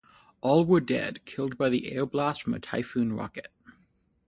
All were dead, killed by the air blast from a Typhoon rocket.